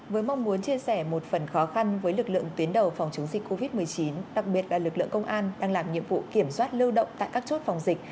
với mong muốn chia sẻ một phần khó khăn với lực lượng tuyến đầu phòng chống dịch covid một mươi chín đặc biệt là lực lượng công an đang làm nhiệm vụ kiểm soát lưu động tại các chốt phòng dịch